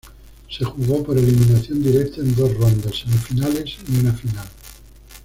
Se jugó por eliminación directa en dos rondas: semifinales y una final.